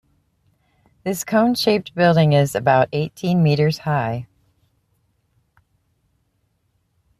This cone-shaped building is about eighteen metres high.